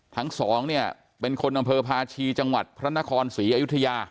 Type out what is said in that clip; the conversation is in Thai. ทั้งสองเนี่ยเป็นคนอำเภอพาชีจังหวัดพระนครศรีอยุธยา